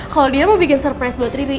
kalau dia mau bikin surprise buat diri